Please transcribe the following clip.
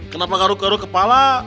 kenapa garuk garuk kepala